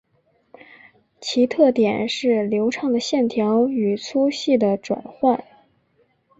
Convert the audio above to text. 其特点是流畅的线条与粗细的转换。